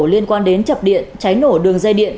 liên quan đến chập điện cháy nổ đường dây điện